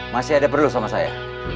masih ada perlu sama saya